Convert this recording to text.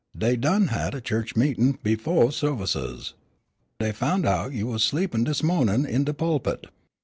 Dey done had a church meetin' befo' services. Dey foun' out you was sleepin' dis mornin' in de pulpit.